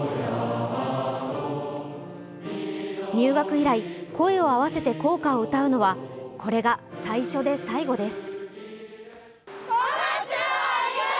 入学以来、声を合わせて校歌を歌うのは、これが最初で最後です。